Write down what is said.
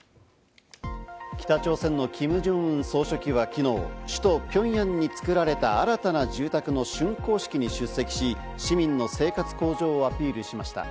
北朝鮮のキム・ジョンウン総書記はきのう、首都ピョンヤンに作られた新たな住宅の竣工式に出席し、市民の生活向上をアピールしました。